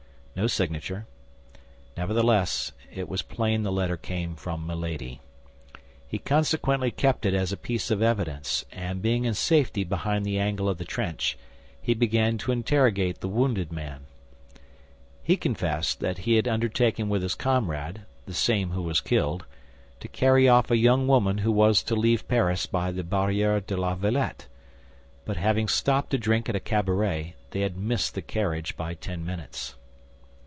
No signature. Nevertheless it was plain the letter came from Milady. He consequently kept it as a piece of evidence, and being in safety behind the angle of the trench, he began to interrogate the wounded man. He confessed that he had undertaken with his comrade—the same who was killed—to carry off a young woman who was to leave Paris by the Barrière de La Villette; but having stopped to drink at a cabaret, they had missed the carriage by ten minutes.